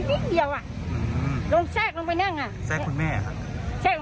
รู้สึกว่ามันแบบไรของมันไม่รู้